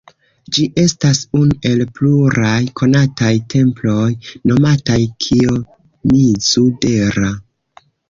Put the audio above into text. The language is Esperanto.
Ĝi estas unu el pluraj konataj temploj nomataj Kijomizu-dera.